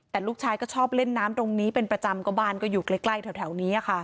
แต่ลูกชายก็ชอบเล่นน้ำตรงนี้เป็นประจำก็บ้านก็อยู่ใกล้แถวนี้ค่ะ